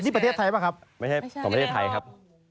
นี่ประเทศไทยป่าครับ